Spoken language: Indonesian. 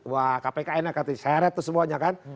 wah kpkn nya seret itu semuanya kan